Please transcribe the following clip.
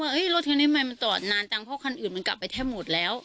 ว่าเอ้ยรถเทียมได้ไม่มันตอดนานจังเพราะคันอื่นมันกลับไปแทบหมดแล้ว